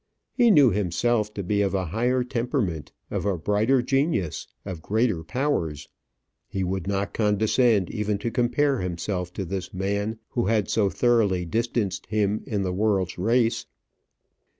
He knew himself to be of a higher temperament, of a brighter genius, of greater powers. He would not condescend even to compare himself to this man who had so thoroughly distanced him in the world's race.